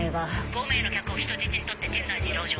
５名の客を人質に取って店内に籠城。